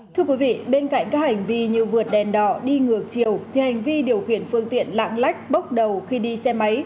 thưa quý vị bên cạnh các hành vi như vượt đèn đỏ đi ngược chiều thì hành vi điều khiển phương tiện lạng lách bốc đầu khi đi xe máy